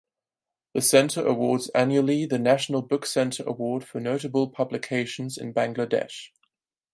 The centre awards annually the National Book Centre Award for notable publications in Bangladesh.